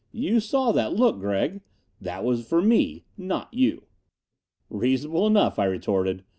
You saw that look, Gregg? That was for me, not you." "Reasonable enough," I retorted.